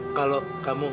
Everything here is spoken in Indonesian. aku akan beri kamu berdoa